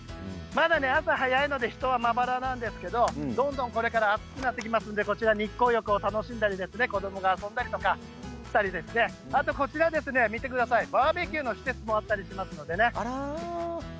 まだ朝早いので人はまばらなんですけどもどんどんこれから暑くなってきますので日光浴を楽しんだり子どもが遊んだりとかしたりこちら見てくださいバーベキューの施設もあったりしますのでね